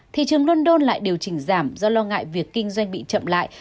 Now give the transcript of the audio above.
thị trường london lại điều chỉnh giảm do lo ngại việc kinh doanh bị chậm lại